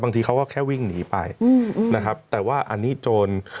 เขาก็แค่วิ่งหนีไปอืมนะครับแต่ว่าอันนี้โจร